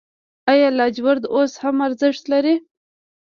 آیا لاجورد اوس هم ارزښت لري؟